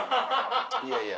いやいや。